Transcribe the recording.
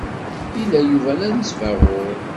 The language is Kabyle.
Yella Yuba d anesbaɣur.